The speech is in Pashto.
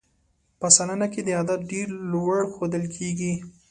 په سلنه کې دا عدد ډېر لوړ ښودل کېږي.